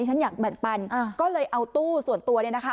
ฉันอยากแบ่งปันก็เลยเอาตู้ส่วนตัวเนี่ยนะคะ